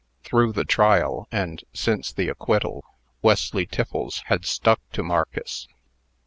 Through the trial, and since the acquittal, Wesley Tiffles had stuck to Marcus.